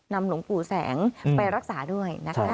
นำหลวงปู่แสงไปรักษาด้วย